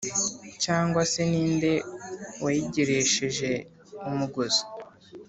cyangwa se ni nde wayigeresheje umugozi’